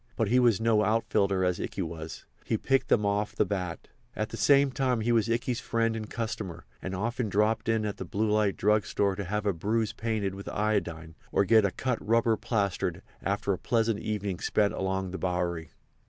But he was no outfielder as Ikey was; he picked them off the bat. At the same time he was Ikey's friend and customer, and often dropped in at the Blue Light Drug Store to have a bruise painted with iodine or get a cut rubber plastered after a pleasant evening spent along the Bowery.